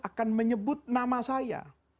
akan menyebut nama saya